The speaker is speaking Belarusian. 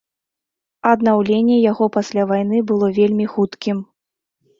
Аднаўленне яго пасля вайны было вельмі хуткім.